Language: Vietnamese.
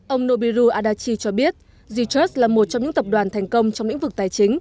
ông nobiru adachi cho biết j trust là một trong những tập đoàn thành công trong lĩnh vực tài chính